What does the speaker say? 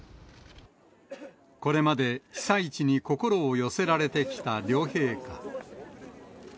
これまで被災地に心を寄せられてきた両陛下。